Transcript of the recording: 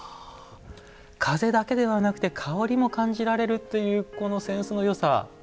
風だけではなくて香りも感じられるという扇子のよさ。